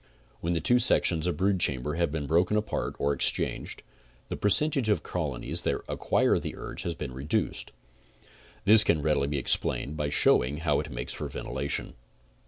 When the two sections of the brood chamber have been broken apart or exchanged, the percentage of colonies that acquire the urge has been reduced. This can readily be explained by showing how it makes for ven tilation.